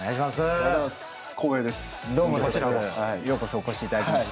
ようこそお越し頂きました。